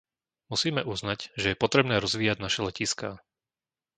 Musíme uznať, že je potrebné rozvíjať naše letiská.